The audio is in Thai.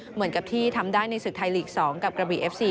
เหมือนกับที่ทำได้ในศึกไทยลีก๒กับกระบีเอฟซี